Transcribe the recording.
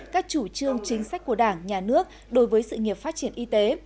các chủ trương chính sách của đảng nhà nước đối với sự nghiệp phát triển y tế